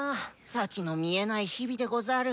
先の見えない日々でござる。